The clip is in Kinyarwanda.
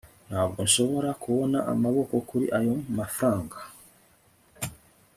ntabwo nshobora kubona amaboko kuri ayo mafranga